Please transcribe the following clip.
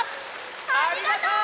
ありがとう！